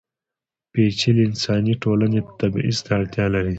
پېچلې انساني ټولنې تبعیض ته اړتیا لري.